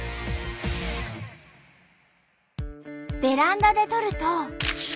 ベランダで撮ると。